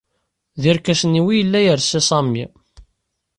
D irkasen-iw i yella yelsa Sami.